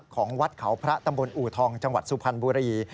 ของวัดเขาพระตำบลอูทองจังหวัดสุพรรณบุรี